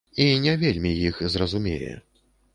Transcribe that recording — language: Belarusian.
І не вельмі іх зразумее.